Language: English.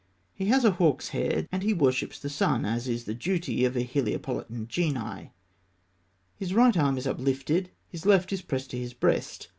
He has a hawk's head, and he worships the sun, as is the duty of the Heliopolitan genii. His right arm is uplifted, his left is pressed to his breast.